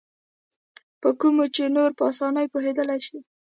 په کومو چې نور په اسانۍ پوهېدلای شي.